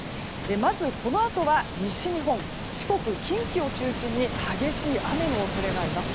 まず、このあとは西日本四国、近畿を中心に激しい雨の恐れがあります。